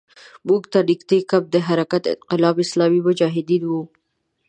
موږ ته نږدې کمپ د حرکت انقلاب اسلامي مجاهدینو وو.